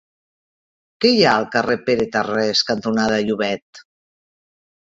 Què hi ha al carrer Pere Tarrés cantonada Llobet?